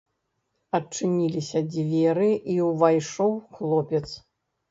Адчыніліся дзверы, і ўвайшоў хлопец.